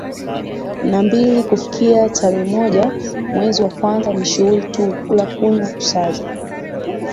na mbili kufika tarehe moja mwezi wa kwanza ni shughuli tu kula kunywa kusaza